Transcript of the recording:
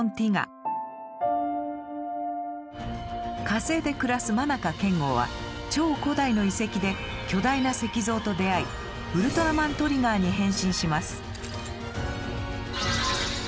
火星で暮らすマナカケンゴは超古代の遺跡で巨大な石像と出会いウルトラマントリガーに変身します。